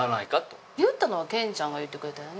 言ったのは健ちゃんが言ってくれたよな。